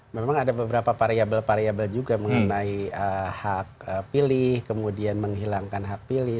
memang ada beberapa variable variabel juga mengenai hak pilih kemudian menghilangkan hak pilih